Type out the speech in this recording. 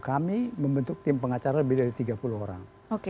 kami membentuk tim pengacara lebih dari tiga puluh orang